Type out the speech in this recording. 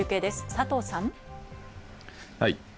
佐藤さん。